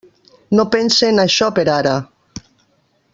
No pense en això per ara.